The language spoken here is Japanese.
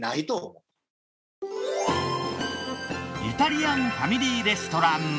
イタリアンファミリーレストラン。